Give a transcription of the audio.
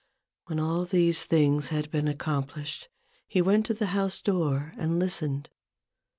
When all these things had been accomplished, he went to the house door and listened.